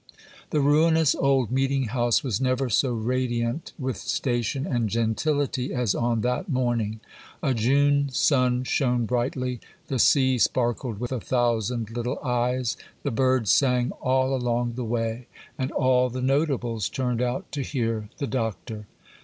The ruinous old meeting house was never so radiant with station and gentility as on that morning: a June sun shone brightly, the sea sparkled with a thousand little eyes, the birds sang all along the way, and all the notables turned out to hear the Doctor.